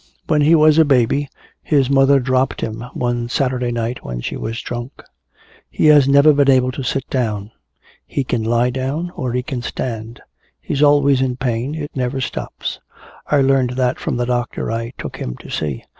When he was a baby his mother dropped him one Saturday night when she was drunk. He has never been able to sit down. He can lie down or he can stand. He's always in pain, it never stops. I learned that from the doctor I took him to see.